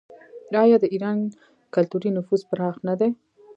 آیا د ایران کلتوري نفوذ پراخ نه دی؟